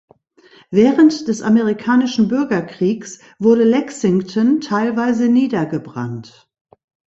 Während des Amerikanischen Bürgerkriegs wurde Lexington teilweise niedergebrannt.